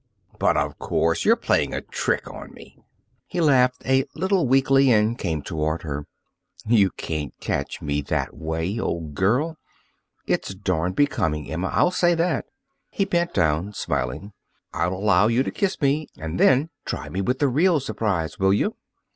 But of course you're playing a trick on me." He laughed a little weakly and came toward her. "You can't catch me that way, old girl! It's darned becoming, Emma I'll say that." He bent down, smiling. "I'll allow you to kiss me. And then try me with the real surprise, will you?"